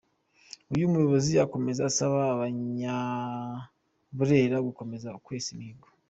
Uyu muyobozi akomeza asaba Abanyaburera gukomeza kwesa imihigo.